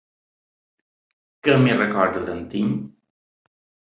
Què més recorda, del Tim?